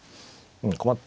うん困った。